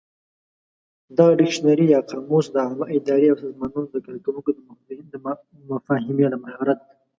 دغه ډکشنري یا قاموس د عامه ادارې او سازمانونو د کارکوونکو د مفاهمې مهارت